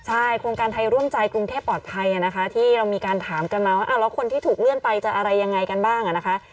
ใช่โครงการไทยร่วมใจกรุงเทพปลอดภัยนะคะที่เรามีการถามกันมาว่าแล้วคนที่ถูกเลื่อนไปจะอะไรยังไงกันบ้างนะคะ